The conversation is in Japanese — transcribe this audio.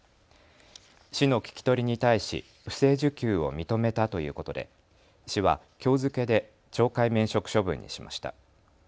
市の聞き取りに対し不正受給を認めたということで市はきょう付けで懲戒免職処分にしました。